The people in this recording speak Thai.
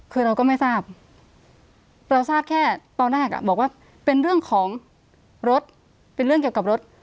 คือเราก็ไม่ทราบเราทราบแค่ตอนแรกอ่ะบอกว่าเป็นเรื่องของรถเป็นเรื่องเกี่ยวกับรถ